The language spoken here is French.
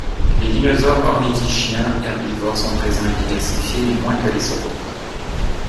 Les dinosaures ornithischiens herbivores sont présents et diversifiés, mais moins que les sauropodes.